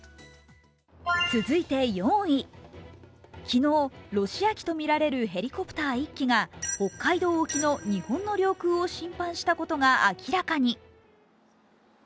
続いて４位、昨日、ロシア機とみられるヘリコプター１機が北海道沖の日本の領空を侵犯したことが明らかに。